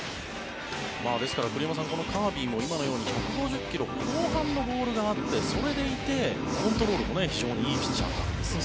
ですから、栗山さんカービーも今のように１５０ｋｍ後半のボールがあってそれでいてコントロールも非常にいいピッチャーだと。